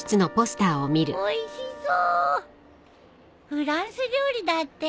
フランス料理だって。